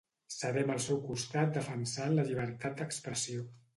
Serem al seu costat defensant la llibertat d'expressió.